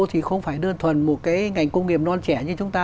thì không phải đơn thuần một cái ngành công nghiệp non trẻ như chúng ta